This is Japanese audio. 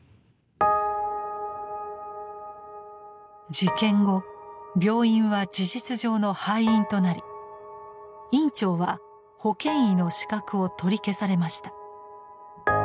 事件後病院は事実上の廃院となり院長は保険医の資格を取り消されました。